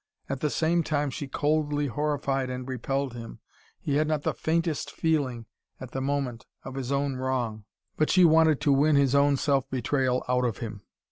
At the same time she coldly horrified and repelled him. He had not the faintest feeling, at the moment, of his own wrong. But she wanted to win his own self betrayal out of him.